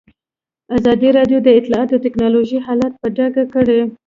ازادي راډیو د اطلاعاتی تکنالوژي حالت په ډاګه کړی.